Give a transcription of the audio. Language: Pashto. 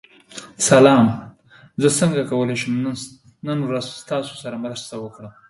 سلام، زه څنګه کولی شم نن ورځ ستاسو سره مرسته وکړم؟